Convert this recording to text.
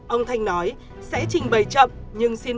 ông thanh nói sẽ trình bày chậm nhưng xin